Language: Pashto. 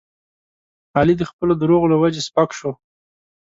علي د خپلو دروغو له وجې سپک شو.